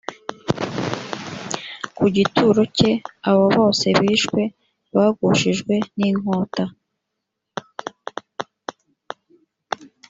ku gituro cye abo bose bishwe bagushijwe n inkota